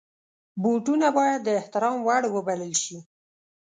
بوټونه باید د احترام وړ وبلل شي.